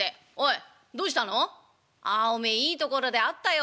「ああおめえいいところで会ったよ。